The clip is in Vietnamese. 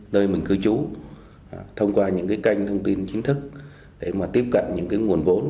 nơi mình cư trú thông qua những cái kênh thông tin chính thức để mà tiếp cận những cái nguồn vốn